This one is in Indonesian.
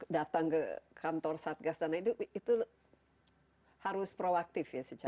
datang ke kantor satgas dan itu harus proaktif ya